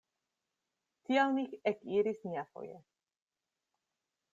Tial ni ekiris niavoje.